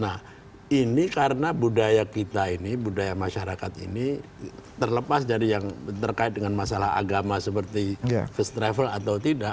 nah ini karena budaya kita ini budaya masyarakat ini terlepas dari yang terkait dengan masalah agama seperti first travel atau tidak